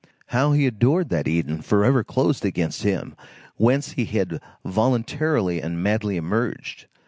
How he adored that Eden forever closed against him, whence he had voluntarily and madly emerged!